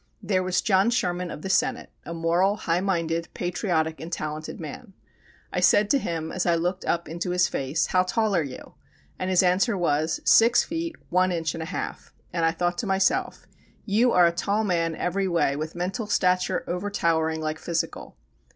There was John Sherman of the Senate, a moral, high minded, patriotic and talented man. I said to him as I looked up into his face: "How tall are you?" and his answer was, "Six feet one inch and a half;" and I thought to myself "You are a tall man every way, with mental stature over towering like the physical."